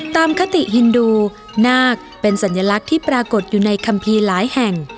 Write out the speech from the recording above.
คติฮินดูนาคเป็นสัญลักษณ์ที่ปรากฏอยู่ในคัมภีร์หลายแห่ง